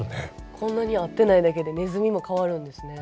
こんなに会ってないだけでネズミも変わるんですね。